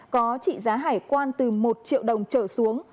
có trị giá hải quan từ một triệu đồng trở xuống